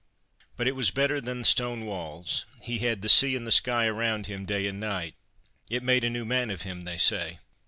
But it was better than stone walls. He had the sea and the sky around him day and night. It made a new man of him, they say.